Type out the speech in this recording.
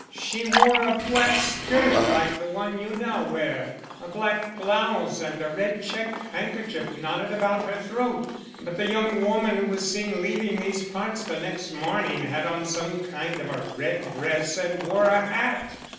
"She wore a black skirt like the one you now wear, a black blouse and a red checked handkerchief knotted about her throat. But the young woman who was seen leaving these parts the next morning had on some kind of a red dress and wore a hat.